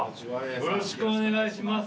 よろしくお願いします。